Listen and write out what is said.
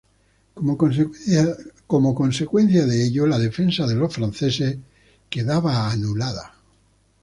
Como consecuencia de ello, la defensa de los franceses quedaba anulada.